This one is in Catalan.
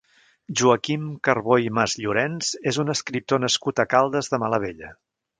Joaquim Carbó i Masllorens és un escriptor nascut a Caldes de Malavella.